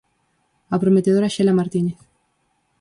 A prometedora Xela Martínez.